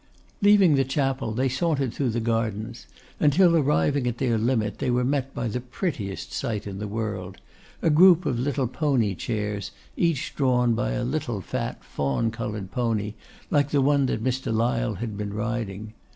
Leaving the chapel, they sauntered through the gardens, until, arriving at their limit, they were met by the prettiest sight in the world; a group of little pony chairs, each drawn by a little fat fawn coloured pony, like the one that Mr. Lyle had been riding.